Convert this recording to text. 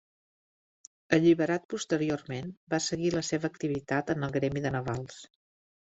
Alliberat posteriorment, va seguir la seva activitat en el gremi de navals.